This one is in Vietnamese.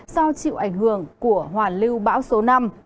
do chịu ảnh hưởng của hoàn lưu bão số năm